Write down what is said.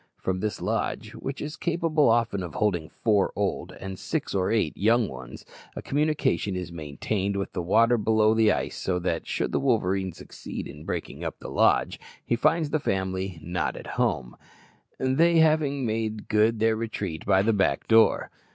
From this lodge, which is capable often of holding four old and six or eight young ones, a communication is maintained with the water below the ice, so that, should the wolverine succeed in breaking up the lodge, he finds the family "not at home," they having made good their retreat by the back door.